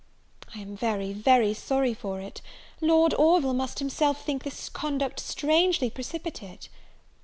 "I am very, very sorry for it! Lord Orville must himself think this conduct strangely precipitate."